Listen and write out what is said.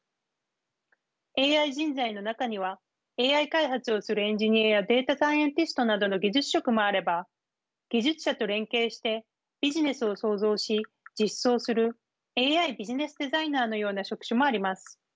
ＡＩ人材の中にはＡＩ開発をするエンジニアやデータサイエンティストなどの技術職もあれば技術者と連携してビジネスを創造し実装するＡＩビジネスデザイナーのような職種もあります。